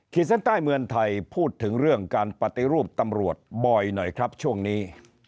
เส้นใต้เมืองไทยพูดถึงเรื่องการปฏิรูปตำรวจบ่อยหน่อยครับช่วงนี้